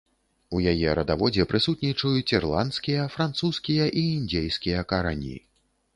У яе радаводзе прысутнічаюць ірландскія, французскія і індзейскія карані.